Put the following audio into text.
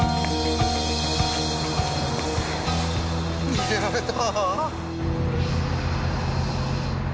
逃げられた！